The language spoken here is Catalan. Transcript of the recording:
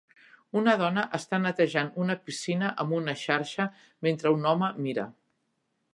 Un dona està netejant una piscina amb una xarxa mentre un home mira.